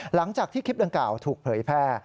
หลังจากที่คลิปดังกล่าวถูกเผยแพร่